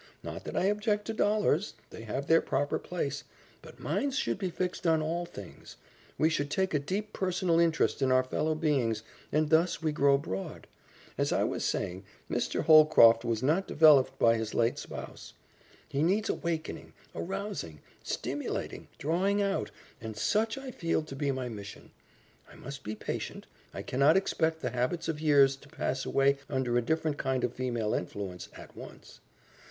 Not that I object to dollars they have their proper place, but minds should be fixed on all things. We should take a deep personal interest in our fellow beings, and thus we grow broad. As I was saying, Mr. Holcroft was not developed by his late spouse. He needs awakening, arousing, stimulating, drawing out, and such I feel to be my mission. I must be patient; I cannot expect the habits of years to pass away under a different kind of female influence, at once."